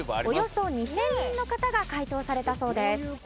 およそ２０００人の方が回答されたそうです。